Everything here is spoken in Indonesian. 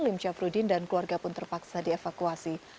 lim syafruddin dan keluarga pun terpaksa dievakuasi